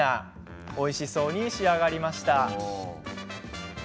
おいしそうに仕上がりました。